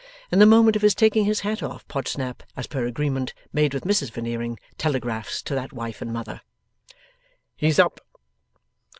In the moment of his taking his hat off, Podsnap, as per agreement made with Mrs Veneering, telegraphs to that wife and mother, 'He's up.